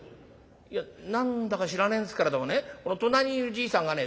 「いや何だか知らねえんですけれどもねこの隣にいるじいさんがね